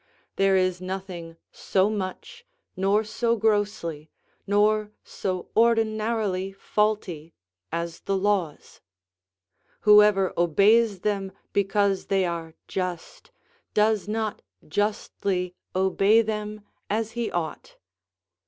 There is nothing so much, nor so grossly, nor so ordinarily faulty, as the laws. Whoever obeys them because they are just, does not justly obey them as he ought.